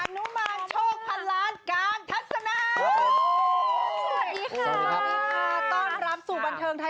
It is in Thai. ข์นนุมังโชคพันล้านการถัดสินา